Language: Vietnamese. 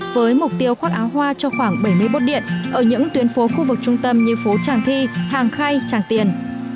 với mục tiêu khoác áo hoa cho khoảng bảy mươi bốt điện ở những tuyến phố khu vực trung tâm như phố tràng thi hàng khay tràng tiền